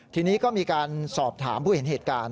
ทีนี้ก็มีการสอบถามผู้เห็นเหตุการณ์